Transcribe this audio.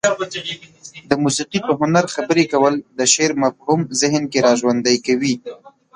د موسيقي په هنر خبرې کول د شعر مفهوم ذهن کې را ژوندى کوي.